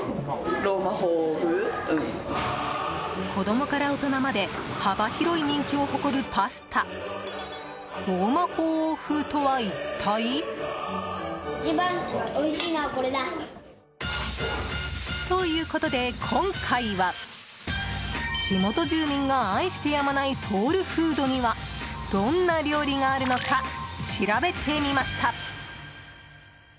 子供から大人まで幅広い人気を誇るパスタローマ法王風とは一体？ということで今回は地元住民が愛してやまないソウルフードにはどんな料理があるのか調べてみました。